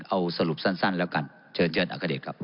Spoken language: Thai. เอาสรุปสั้นแล้วกันเชิญเชิญอัคเดชครับ